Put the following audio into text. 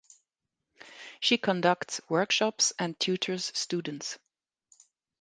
She conducts workshops and tutors students.